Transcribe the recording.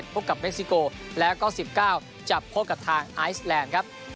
พบกับเม็กซิโกแล้วก็๑๙จะพบกับทางไอซแลนด์ครับ